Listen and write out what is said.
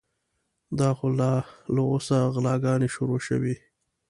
دا خو لا له اوسه غلاګانې شروع شوې.